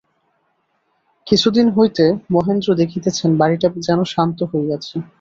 কিছুদিন হইতে মহেন্দ্র দেখিতেছেন বাড়িটা যেন শান্ত হইয়াছে।